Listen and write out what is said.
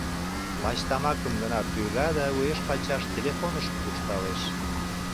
Лач тамакым гына тӱрга да уэш-пачаш телефоныш куржталеш.